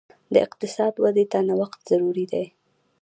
د اقتصاد ودې ته نوښت ضروري دی.